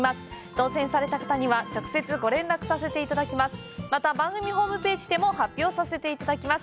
当せんされた方には直接ご連絡させていただきます。